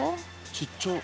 ちっちゃ。